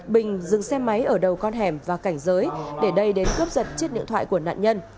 bình dừng xe máy ở đầu con hẻm và cảnh giới để đây đến cướp giật chiếc điện thoại của nạn nhân